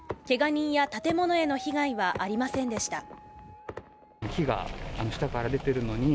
けが人や建物への被害はありませんでした。